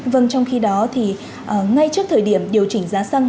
vâng trong khi đó thì ngay trước thời điểm điều chỉnh giá xăng